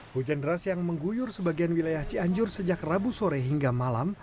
hujan deras yang mengguyur sebagian wilayah cianjur sejak rabu sore hingga malam